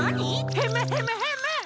ヘムヘムヘム！